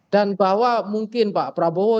dan bahwa mungkin pak prabowo